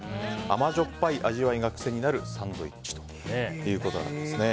甘じょっぱい味わいが癖になるサンドイッチということなんです。